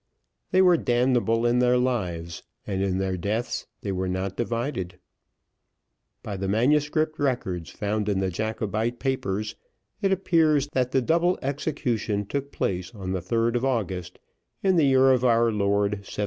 They were damnable in their lives, and in their deaths they were not divided. By the manuscript records, found in the Jacobite papers, it appears that the double execution took place on the 3rd of August in the year of our Lord, 1700.